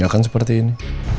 yang akan seperti ini